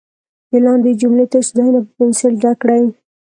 د لاندې جملو تش ځایونه په پنسل ډک کړئ.